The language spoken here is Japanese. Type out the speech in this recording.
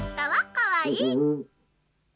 かわいい。